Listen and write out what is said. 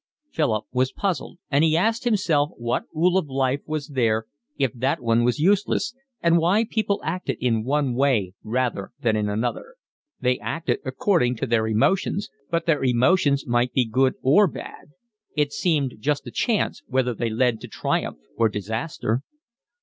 Philip was puzzled, and he asked himself what rule of life was there, if that one was useless, and why people acted in one way rather than in another. They acted according to their emotions, but their emotions might be good or bad; it seemed just a chance whether they led to triumph or disaster.